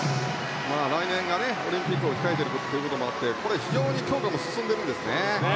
来年オリンピックを控えていることもあってこれ、非常に強化も進んでいるんですね。